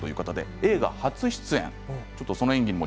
映画初出演です。